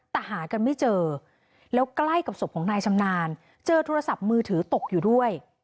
แต่หากันไม่เจอแล้วใกล้กับศพของนายชำนาญเจอโทรศัพท์มือถือตกอยู่ด้วย